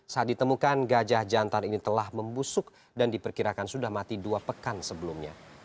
saat ditemukan gajah jantan ini telah membusuk dan diperkirakan sudah mati dua pekan sebelumnya